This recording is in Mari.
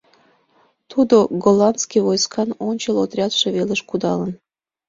Тудо голландский войскан ончыл отрядше велыш кудалын.